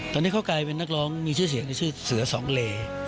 ตอนนี้เขากลายเป็นนักร้องมีชื่อเสียงในชื่อเสือสองเล